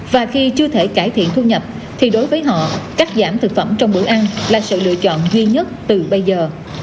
và khi chưa thể cải thiện thu nhập thì đối với họ cắt giảm thực phẩm trong bữa ăn là sự lựa chọn duy nhất từ bây giờ